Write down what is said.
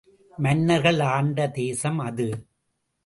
மன்னர்கள் ஆண்ட தேசம் அது.